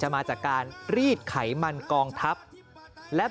หมายจากการรีดไขมันกองทับลักษณะมีและเอย